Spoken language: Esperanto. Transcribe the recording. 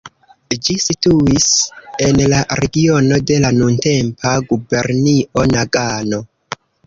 Ĝi situis en la regiono de la nuntempa gubernio Nagano.